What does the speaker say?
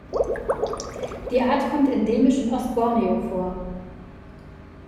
Die Art kommt endemisch in Ost-Borneo vor.